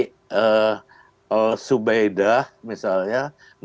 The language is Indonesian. si subeidah misalnya